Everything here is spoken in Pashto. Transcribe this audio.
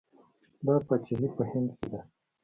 دا پاچاهي په هند کې ده.